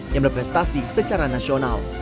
yang berprestasi secara nasional